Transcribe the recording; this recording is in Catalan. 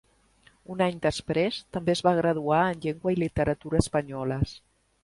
Un any després, també es va graduar en Llengua i literatura espanyoles.